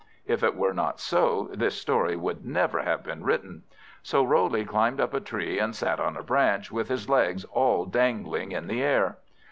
If it were not so, this story would never have been written. So Roley climbed up a tree, and sat on a branch, with his legs all dangling in the air.